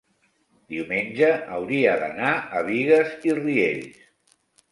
diumenge hauria d'anar a Bigues i Riells.